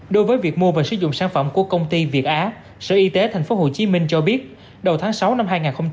đối với việc mua và sử dụng sản phẩm của công ty việt á sở y tế tp hcm cho biết đầu tháng sáu năm hai nghìn hai mươi